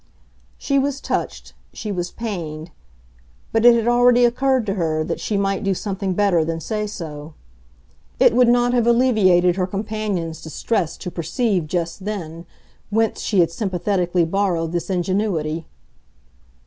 She was touched—she was pained; but it had already occurred to her that she might do something better than say so. It would not have alleviated her companion's distress to perceive, just then, whence she had sympathetically borrowed this ingenuity.